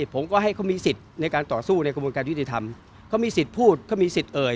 ผมก็ให้เขามีสิทธิ์ในการต่อสู้ในกระบวนการยุติธรรมเขามีสิทธิ์พูดเขามีสิทธิ์เอ่ย